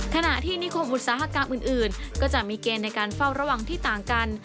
ขณะที่นิคมอุตสาหกรรมอื่นก็จะมีเกณฑ์ในการเฝ้าระวังที่ต่างกัน